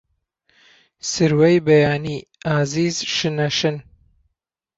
سروەی بەیانی، ئازیز شنە شن